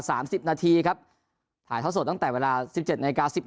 สามสิบนาทีครับถ่ายท่อสดตั้งแต่เวลาสิบเจ็ดนาฬิกาสิบ